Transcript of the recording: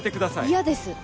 嫌です。